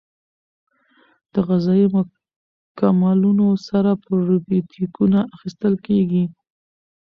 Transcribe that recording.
د غذایي مکملونو سره پروبیوتیکونه اخیستل کیږي.